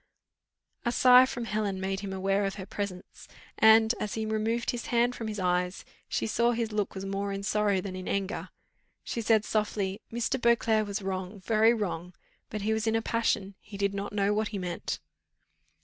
A sigh from Helen made him aware of her presence, and, as he removed his hand from his eyes, she saw his look was more in sorrow than in anger: she said softly, "Mr. Beauclerc was wrong, very wrong, but he was in a passion, he did not know what he meant."